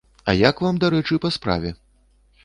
А я к вам дарэчы па справе.